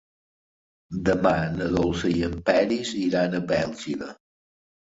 Demà na Dolça i en Peris iran a Bèlgida.